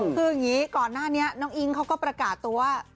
คืออย่างนี้ก่อนหน้านี้น้องอิ๊งเขาก็ประกาศตัว